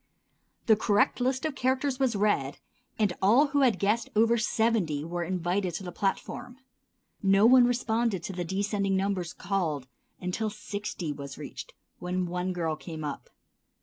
The correct list of characters was read, and all who had guessed over seventy were invited to the platform. No one responded to the descending numbers called until sixty was reached, when one girl came up.